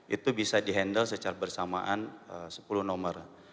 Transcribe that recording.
itu bisa di handle secara bersamaan sepuluh nomor